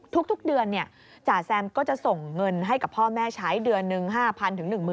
ทุกเดือนเนี่ยจ๋าแซมก็จะส่งเงินให้กับพ่อแม่ใช้เดือนนึง